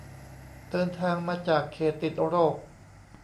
เดินทางมาจากเขตติดโรค